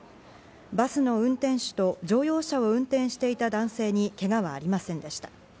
バスの運転手と乗用車を運転していた男性にけがはありませんでした。